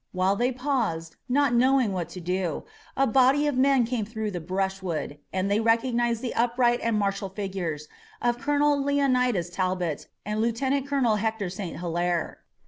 While they paused, not knowing what to do, a body of men came through the brushwood and they recognized the upright and martial figures of Colonel Leonidas Talbot and Lieutenant Colonel Hector St. Hilaire.